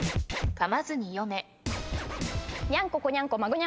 かまずに読め。